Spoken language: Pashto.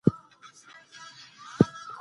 سیلابونه د افغان کلتور سره تړاو لري.